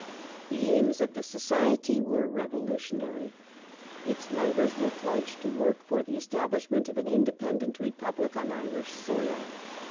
The aims of the Society were revolutionary ; its members were pledged to work for the establishment of an independent Republic on Irish soil.